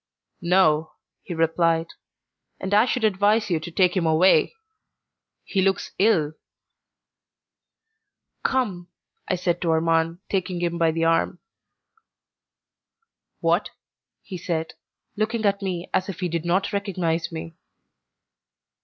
"No," he replied, "and I should advise you to take him away. He looks ill." "Come," I said to Armand, taking him by the arm. "What?" he said, looking at me as if he did not recognise me.